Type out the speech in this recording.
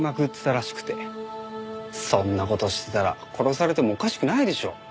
そんな事してたら殺されてもおかしくないでしょ？